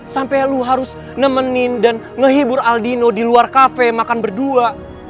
sampai lu harus nemenin dan ngehibur aldino di luar kafe makan berdua